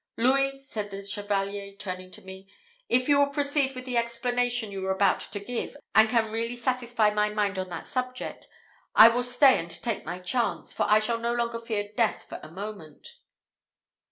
"Louis," said the Chevalier, turning to me, "if you will proceed with the explanation you were about to give, and can really satisfy my mind on that subject, I will stay and take my chance, for I shall no longer fear death for a moment."